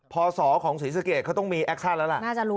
พศของศรีสะเกดเขาต้องมีแอคชั่นแล้วล่ะ